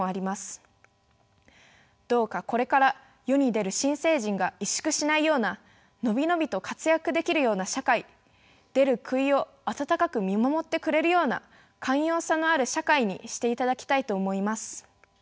どうかこれから世に出る新成人が萎縮しないような伸び伸びと活躍できるような社会出る杭を温かく見守ってくれるような寛容さのある社会にしていただきたいと思います。